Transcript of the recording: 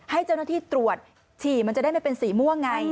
ให้เจ้าหน้าที่ตรวจฉี่มันจะได้ไม่เป็นสีม่วงไง